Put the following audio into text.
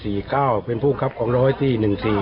เป็นเพื่อนผู้บังคับของร้อยที่๑๔